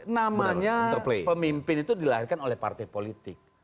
namanya pemimpin itu dilahirkan oleh partai politik